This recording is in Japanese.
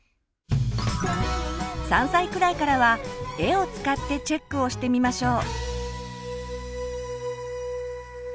３歳くらいからは絵を使ってチェックをしてみましょう。